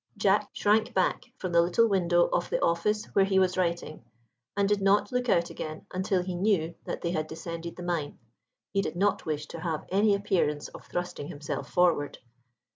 Jack shrank back from the little window of the office where he was writing, and did not look out again until he knew that they had descended the mine; he did not wish to have any appearance of thrusting himself forward.